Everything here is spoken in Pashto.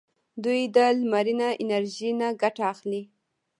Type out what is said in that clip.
دوی د لمرینه انرژۍ نه ګټه اخلي.